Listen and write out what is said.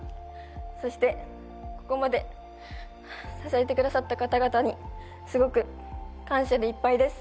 そして、ここまで支えたくださった方々にすごく感謝でいっぱいです。